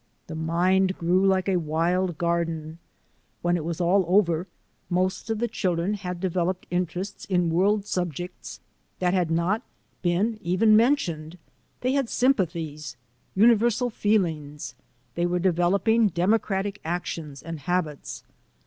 The mind grew like a wild garden. When it was all over most of the children had developed interests in world subjects that had not been even men CHILDREN OF MY TRAIL SCHOOL 179 tioned. They had sympathies — universal feel ings. They were developing democratic actions and habits.